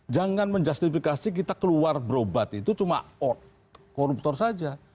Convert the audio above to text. jangan menjustifikasi kita keluar berobat itu cuma koruptor saja